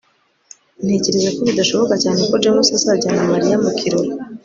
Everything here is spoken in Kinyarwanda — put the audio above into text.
ntekereza ko bidashoboka cyane ko james azajyana mariya mu kirori